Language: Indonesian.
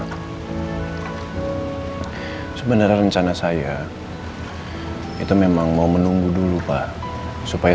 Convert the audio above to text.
untuk segera menceritakan semuanya ke mama